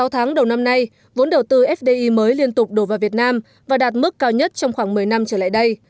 sáu tháng đầu năm nay vốn đầu tư fdi mới liên tục đổ vào việt nam và đạt mức cao nhất trong khoảng một mươi năm trở lại đây